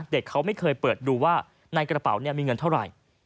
เด็กเขาไม่เคยเปิดดูว่าในกระเป๋ามีเงินเท่าไหร่